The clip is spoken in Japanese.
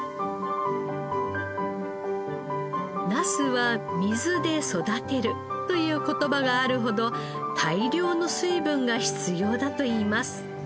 「ナスは水で育てる」という言葉があるほど大量の水分が必要だといいます。